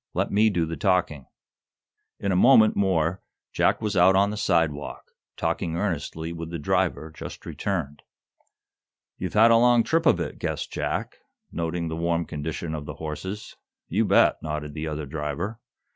Let me do the talking." In a moment more Jack was out on the sidewalk, talking earnestly with the driver just returned. "You've had a long trip of it," guessed Jack, noting the warm condition of the horses. "You bet," nodded the other driver.